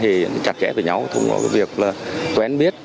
thì chặt chẽ với nhau thủng hộ việc là quen biết